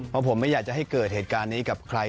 เพราะผมไม่อยากจะให้เกิดเหตุการณ์นี้กับใคร